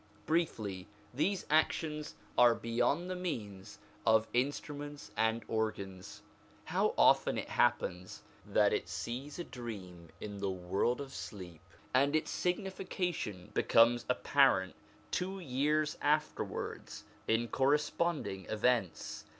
Briefly, these actions are beyond the means of instruments and organs. How often it happens that it sees a dream in the world of sleep, and its signification becomes apparent two years afterwards in corresponding events.